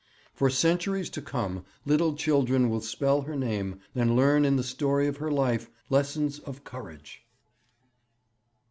For centuries to come little children will spell her name, and learn in the story of her life lessons of courage.'